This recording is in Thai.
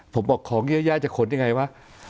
ผมบอกของเยอะแยะจะขนยังไงวะ